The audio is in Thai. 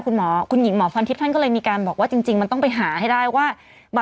คุณหมอคุณหญิงหมอพรทิพย์ท่านก็เลยมีการบอกว่าจริงมันต้องไปหาให้ได้ว่า